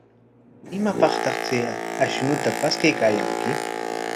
¿Imapaqtaq chay ashnuta paskaykaayanki?